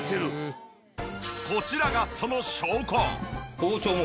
こちらがその証拠。